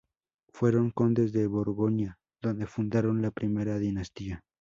Fueron condes de Borgoña, donde fundaron la primera dinastía.